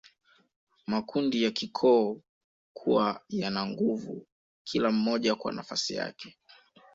Makundi ya kikoo kuwa yana nguvu kila mmoja kwa nafasi yake